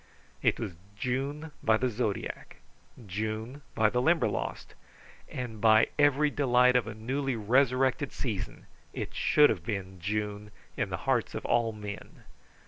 It was June by the zodiac, June by the Limberlost, and by every delight of a newly resurrected season it should have been June in the hearts of all men.